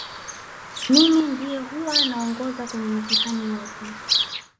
mimi ndiye huwa naongoza kwenye mitihani yote